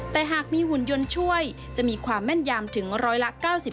แต่หากมีหุ่นยนต์ช่วยจะมีความแม่นยามถึงร้อยละ๙๕